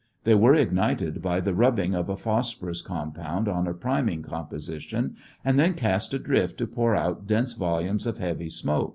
They were ignited by the rubbing of a phosphorus compound on a priming composition, and then cast adrift to pour out dense volumes of heavy smoke.